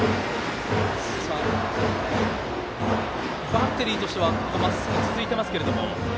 バッテリーとしてはまっすぐ続いてますが。